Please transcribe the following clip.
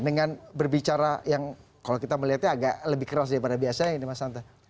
dengan berbicara yang kalau kita melihatnya agak lebih keras daripada biasanya ini mas hanta